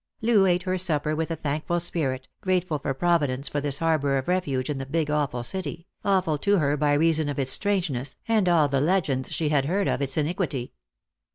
Loo ate her supper with a thankful spirit, grateful to Provi dence for this harbour of refuge in the big awful city, awful to her by reason of its strangeness and all the legends she had heard of its iniquity.